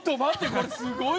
これすごい。